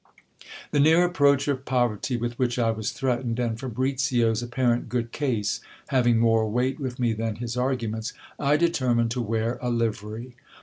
The near approach of poverty with which I was threatened, and Fabricio's apparent good case, having more weight with me than his arguments, I de termined to wear a livery.